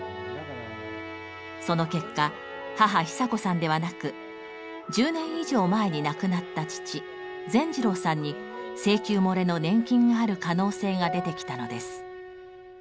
その結果母・ひさこさんではなく１０年以上前に亡くなった父・善次郎さんに請求もれの年金がある可能性が出てきたのです。